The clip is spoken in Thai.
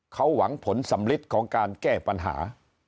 เขาหวังผลสำลิดของการแก้ปัญหา